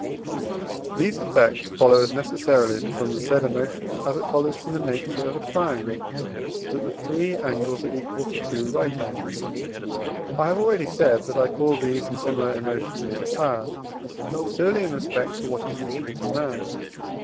These effects follow as necessarily from the said emotion, as it follows from the nature of a triangle, that the three angles are equal to two right angles. I have already said that I call these and similar emotions bad, solely in respect to what is useful to man.